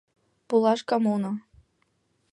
ПУЛАШКАМУНО